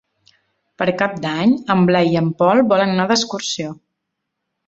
Per Cap d'Any en Blai i en Pol volen anar d'excursió.